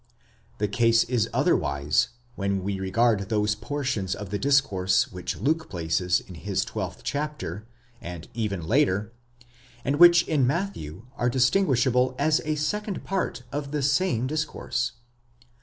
_ The case is otherwise when we regard those portions of the discourse which Luke places in his twelfth chapter, and even later, and which in Matthew are distinguishable as a second part of the same discourse.